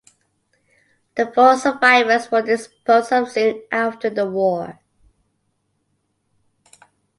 The four survivors were disposed of soon after the war.